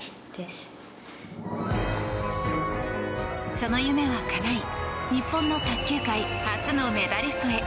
その夢はかない日本の卓球界初のメダリストへ。